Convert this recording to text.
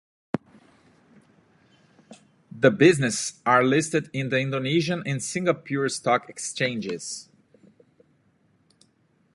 The businesses are listed in the Indonesian and Singapore stock exchanges.